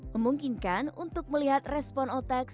memungkinkan untuk melihat respon otak